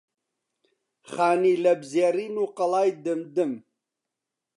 خانی لەپزێڕین و قەڵای دمدم